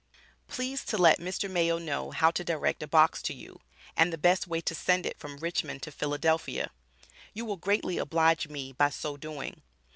Please to let Mr. Mayo know how to direct a box to you, and the best way to send it from Richmond to Philadelphia. You will greatly oblige me by so doing.